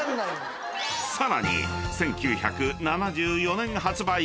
［さらに１９７４年発売］